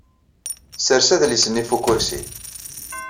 Sers adlis-nni ɣef ukersi.